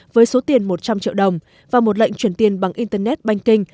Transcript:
với số tiền một trăm linh triệu đồng và một lệnh chuyển tiền bằng internet banh kinh